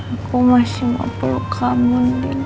aku masih mau peluk kamu